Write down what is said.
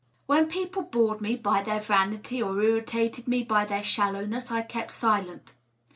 When people bored me by their vanity or irritated me by their shallow ness, I kept silent.